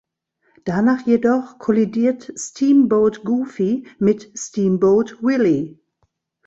Danach jedoch kollidiert "Steamboat Goofy" mit "Steamboat Willie".